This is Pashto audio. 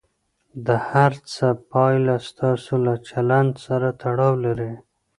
د هر څه پایله ستاسو له چلند سره تړاو لري.